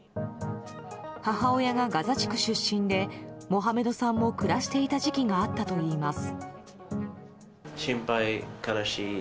母親がガザ地区出身でモハメドさんも暮らしていた時期があったといいます。